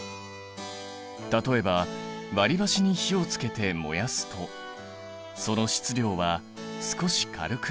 例えば割りばしに火をつけて燃やすとその質量は少し軽くなる。